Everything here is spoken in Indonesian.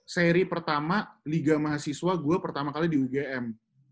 seri pertama liga mahasiswa gue pertama kali di ugm